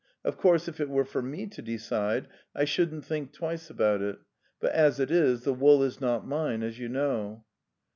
... Of course, if it were for me to decide, I shouldn't think twice about it; but as it is, the wool is not mine, as you know.